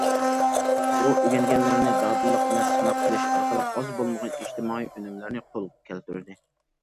ئۇ ئۆگەنگەنلىرىنى دادىللىق بىلەن سىناق قىلىش ئارقىلىق ئاز بولمىغان ئىجتىمائىي ئۈنۈملەرنى قولغا كەلتۈردى.